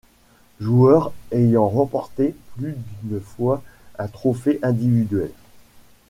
Joueurs ayant remportés plus d'une fois un trophée individuel.